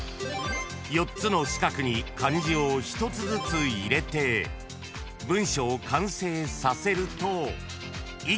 ［４つの四角に漢字を１つずつ入れて文章を完成させると］